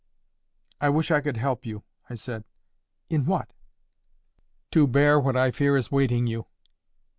"I wish I could help you," I said. "In what?" "To bear what I fear is waiting you."